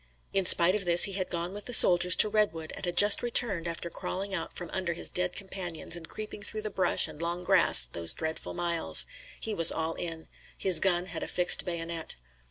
In spite of this he had gone with the soldiers to Redwood and had just returned after crawling out from under his dead companions and creeping through the brush and long grass those dreadful miles. He was all in. His gun had a fixed bayonet.